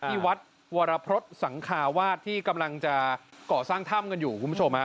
ที่วัดวรพฤษสังคาวาสที่กำลังจะก่อสร้างถ้ำกันอยู่คุณผู้ชมฮะ